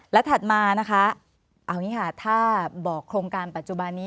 และถัดมานะคะเอาอย่างนี้ค่ะถ้าบอกโครงการปัจจุบันนี้